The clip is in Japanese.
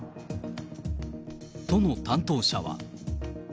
都の担当者は。